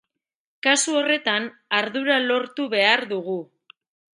Kasu horretan ardura lortu behar dugu.